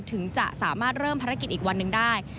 ถึงจะสามารถเริ่มภารกิจอีกวันหนึ่งได้